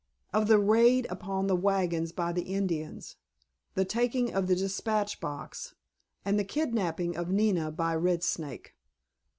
Of the raid upon the wagons by the Indians, the taking of the dispatch box, and the kidnapping of Nina by Red Snake.